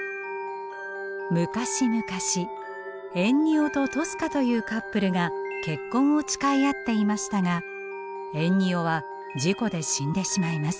昔々エンニオとトスカというカップルが結婚を誓い合っていましたがエンニオは事故で死んでしまいます。